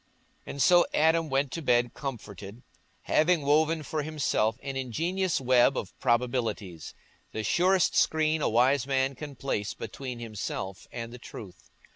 And so Adam went to bed comforted, having woven for himself an ingenious web of probabilities—the surest screen a wise man can place between himself and the truth.